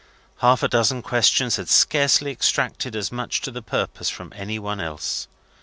Half a dozen questions had scarcely extracted as much to the purpose from any one else.